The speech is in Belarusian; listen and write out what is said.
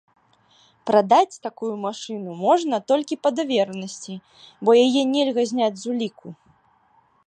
Прадаць такую машыну можна толькі па даверанасці, бо яе нельга зняць з уліку.